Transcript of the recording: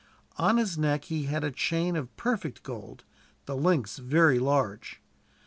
On his neck he had a chain of perfect gold, the links very large.